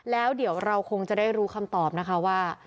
แล้วเดี๋ยวเราคงจะได้รู้คำตอบนะคะว่า